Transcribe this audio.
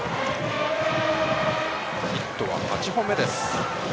ヒットは８本目です。